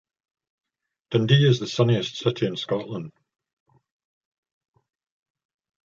Dundee is the sunniest city in Scotland.